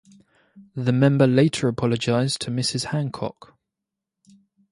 The member later apologised to Mrs Hancock.